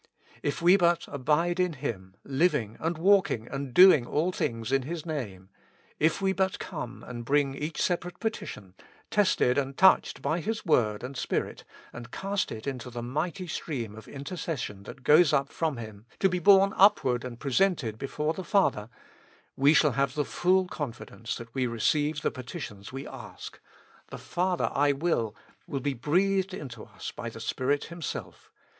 If we but abide in Him, living, and walking, and doing all things in His Name ; if we but come and bring each separate peti tion, tested and touched by His Word and Spirit, and cast it into the mighty stream of intercession that goes up from Him, to be borne upward and presented before the Father ;— we shall have the full confidence that we receive the petitions we ask: the "Father! IwiW will be breathed into us by the Spirit Him self.